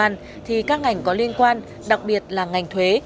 công an thì các ngành có liên quan đặc biệt là ngành thuế